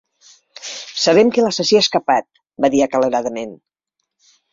"Sabem que l'assassí ha escapat", va dir acaloradament.